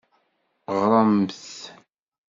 Ɣremt!